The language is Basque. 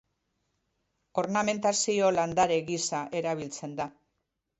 Ornamentazio landare gisa erabiltzen da.